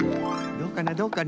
どうかなどうかな？